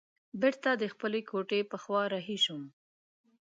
بیرته د خپلې کوټې په خوا رهي شوم.